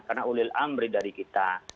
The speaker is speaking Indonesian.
karena ulil amri dari kita